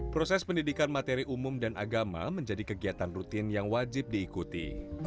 proses pendidikan materi umum dan agama menjadi kegiatan rutin yang wajib diikuti